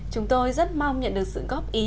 chúng tôi rất mong nhận được sự góp ý